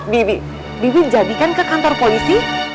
bibi bihun jadikan ke kantor polisi